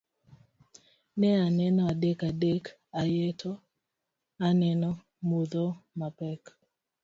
ne aneno adek adek ayeto aneno mudho mapek